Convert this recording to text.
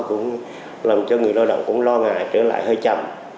cũng làm cho người lao động cũng lo ngại trở lại hơi chậm